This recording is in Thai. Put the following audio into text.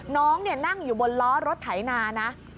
น้องนั่งอยู่บนล้อรถไถนานะ